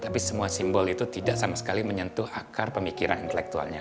tapi semua simbol itu tidak sama sekali menyentuh akar pemikiran intelektualnya